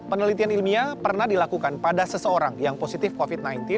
penelitian ilmiah pernah dilakukan pada seseorang yang positif covid sembilan belas